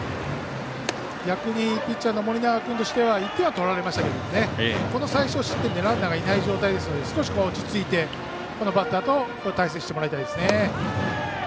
逆にピッチャーの盛永君としては１点は取られましたけどこの最少失点でランナーがいない状態ですので少し落ち着いてこのバッターと対戦してもらいたいですね。